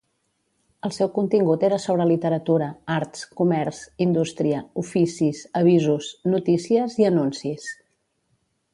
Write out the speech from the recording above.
El seu contingut era sobre literatura, arts, comerç, indústria, oficis, avisos, notícies i anuncis.